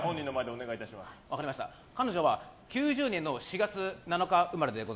彼女は９０年の４月７日生まれで。